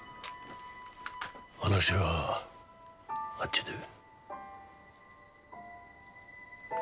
話はあっちで。